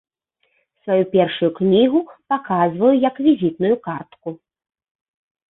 Сваю першую кнігу паказваю як візітную картку.